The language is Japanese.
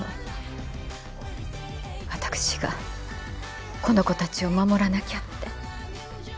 私がこの子たちを守らなきゃって。